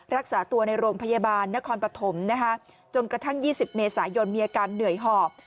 รักษาตัวในโรงพยาบาลนครปฐมนะคะจนกระทั่ง๒๐เมษายนมีอาการเหนื่อยหอบ